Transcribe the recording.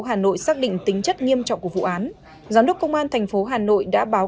hà nội xác định tính chất nghiêm trọng của vụ án giám đốc công an thành phố hà nội đã báo